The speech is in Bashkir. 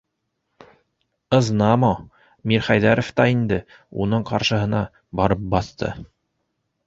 Ызнамо, - Мирхәйҙәров та инде уның ҡаршыһына барып баҫты.